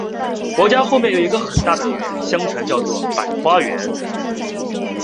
我家的后面有一个很大的园，相传叫作百草园